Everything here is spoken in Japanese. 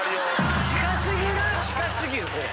近すぎるね。